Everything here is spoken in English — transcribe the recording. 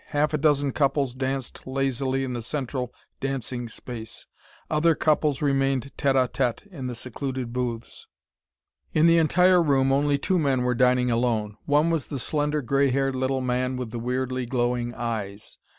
Half a dozen couples danced lazily in the central dancing space. Other couples remained tête à tête in the secluded booths. In the entire room only two men were dining alone. One was the slender gray haired little man with the weirdly glowing eyes.